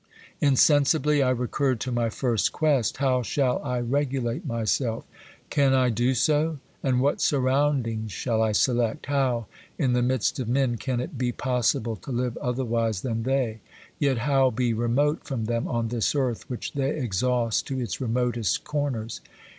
Insensibly I recurred to my first quest. How shall I regulate myself? Can I do so ? And what surroundings shall I select? How, in the midst of men, can it be possible to live otherwise than they, yet how be remote from them on this earth which they exhaust to its remotest corners